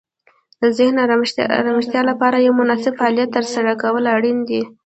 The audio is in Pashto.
د ذهن د آرامښت لپاره یو مناسب فعالیت ترسره کول اړین دي.